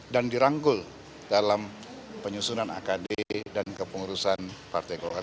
dan diranggul dalam penyusunan akd dan kepengurusan partai golkar